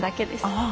ああ。